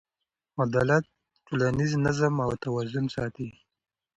عدالت ټولنیز نظم او توازن ساتي.